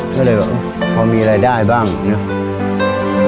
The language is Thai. ก็เลยบอกพ่อมีอะไรได้บ้างเนี่ย